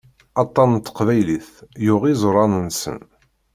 Aṭan n teqbaylit yuɣ iẓuran-nsen.